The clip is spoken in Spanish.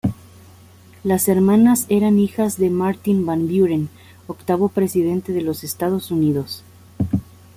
Las hermanas eran hijas de Martin Van Buren, octavo presidente de los Estados Unidos.